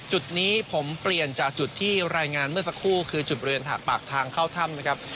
จุดนี้ผมเปลี่ยนจากจุดที่รายงานเมื่อสักครู่คือจุดบริเวณปากทางเข้าถ้ำนะครับ